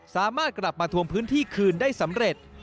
สามารถกลับมาทวงพื้นที่คืนได้สำเร็จ